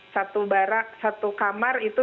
satu barak satu kamar itu